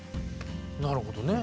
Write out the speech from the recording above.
なるほどね。